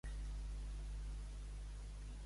Contra la mort no hi ha res fort i no hi valen metges.